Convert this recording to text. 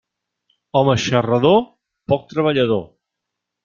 Home xarrador, poc treballador.